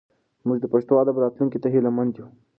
موږ د پښتو ادب راتلونکي ته هیله مند یو.